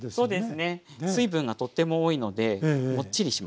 水分がとっても多いのでモッチリしますよ。